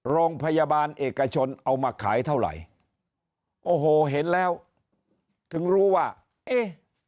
โรงพยาบาลเอกชนเอามาขายเท่าไหร่โอ้โหเห็นแล้วถึงรู้ว่าเอ๊ะ